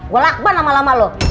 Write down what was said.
gue lakban lama lama lu